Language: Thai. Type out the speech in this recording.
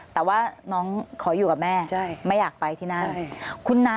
แต่ว่าน้องขออยู่กับแม่ไม่อยากไปที่นั่น